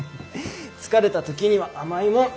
疲れた時には甘いもん。